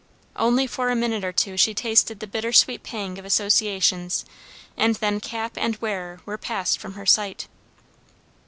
Only for a minute or two she tasted the bitter sweet pang of associations; and then cap and wearer were passed from her sight.